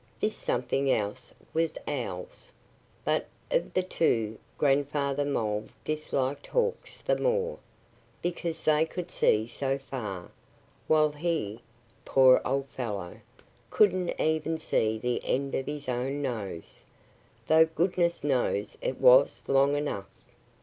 This something else was owls! But of the two, Grandfather Mole disliked hawks the more, because they could see so far, while he (poor old fellow!) couldn't even see the end of his own nose, though goodness knows it was long enough!